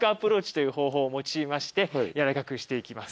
という方法を用いまして柔らかくして行きます。